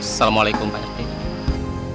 assalamualaikum pak rt